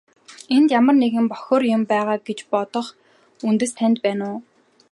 Энд ямар нэг бохир юм байгаа гэж бодох үндэс танд байна уу?